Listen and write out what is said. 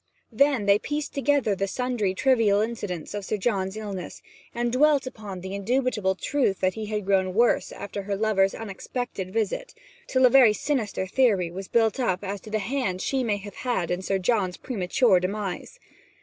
Then they pieced together sundry trivial incidents of Sir John's illness, and dwelt upon the indubitable truth that he had grown worse after her lover's unexpected visit; till a very sinister theory was built up as to the hand she may have had in Sir John's premature demise.